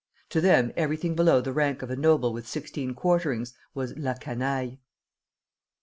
To them everything below the rank of a noble with sixteen quarterings was la canaille.